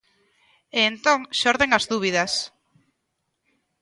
E entón xorden as dúbidas.